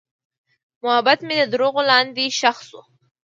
محبت مې د دروغو لاندې ښخ شو.